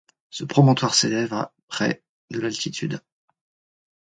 Ce promontoire s'élève à près de d'altitude.